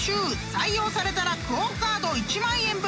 ［採用されたらＱＵＯカード１万円分！］